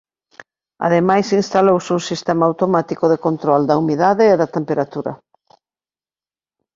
Ademais instalouse un sistema automático de control da humidade e da temperatura.